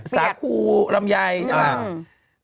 สาคูลำไยใช่